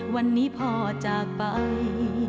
วันนี้พ่อจากไป